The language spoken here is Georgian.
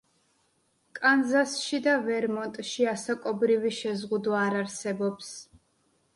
კანზასში და ვერმონტში ასაკობრივი შეზღუდვა არ არსებობს.